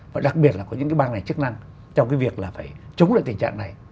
và đặc biệt là của những cái ban ngành chức năng trong cái việc là phải chống lại tình trạng này